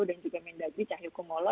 dan juga mendagri cahyukumola